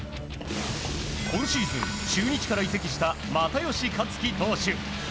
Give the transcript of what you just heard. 今シーズン、中日から移籍した又吉克樹投手。